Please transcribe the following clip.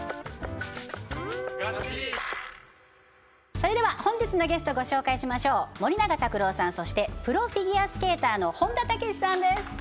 それでは本日のゲストご紹介しましょう森永卓郎さんそしてプロフィギュアスケーターの本田武史さんです